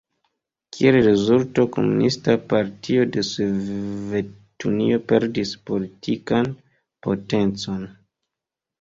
Kiel rezulto Komunista Partio de Sovetunio perdis politikan potencon.